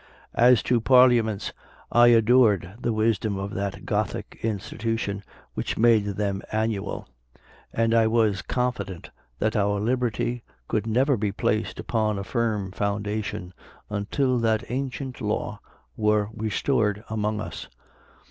"As to Parliaments, I adored the wisdom of that Gothic institution which made them annual, and I was confident that our liberty could never be placed upon a firm foundation until that ancient law were restored among us.